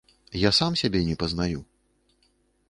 Я сам сябе не пазнаю.